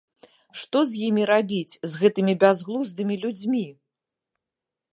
Што з імі рабіць, з гэтымі бязглуздымі людзьмі?